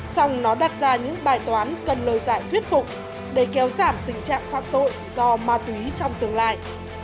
xong nó đặt ra những bài toán cần lời giải thuyết phục để kéo giảm tình trạng phạm tội do ma túy trong tương lai